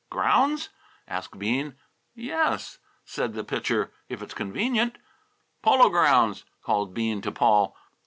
"Grounds?" asked Bean. "Yes," said the Pitcher, "if it's convenient." "Polo Grounds," called Bean to Paul.